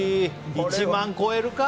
１万超えるか。